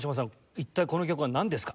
一体この曲はなんですか？